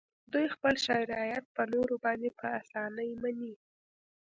دوی خپل شرایط په نورو باندې په اسانۍ مني